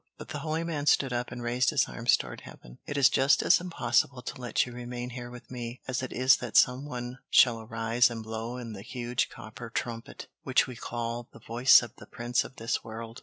But the holy man stood up and raised his arms toward heaven. "It is just as impossible to let you remain here with me, as it is that some one shall arise and blow in the huge copper trumpet, which we call the Voice of the Prince of this World!